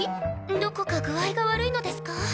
どこか具合が悪いのですか？